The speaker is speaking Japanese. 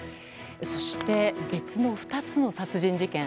そして、別の２つの殺人事件。